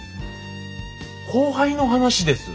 後輩の話です！